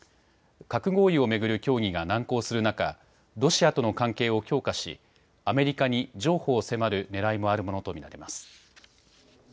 核合意を巡る協議が難航する中、ロシアとの関係を強化しアメリカに譲歩を迫るねらいもあるものと見られます。